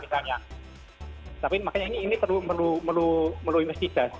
tapi makanya ini perlu melalui investigasi